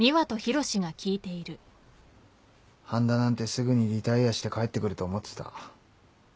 半田なんてすぐにリタイアして帰ってくると思ってた。